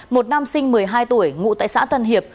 một nam sinh một mươi hai tuổi ngụ tại xã tân hiệp